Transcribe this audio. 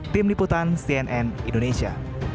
tim liputan cnn indonesia